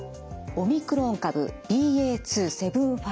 オミクロン株ＢＡ．２．７５です。